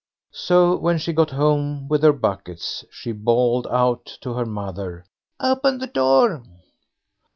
So when she got home with her buckets, she bawled out to her mother: "Open the door."